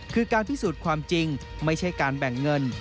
คือการพิสูจน์ความจริงไม่ใช่การแบ่งเงิน